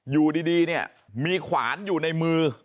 อยู่ดีเนี่ยมีขวานอยู่ในมือ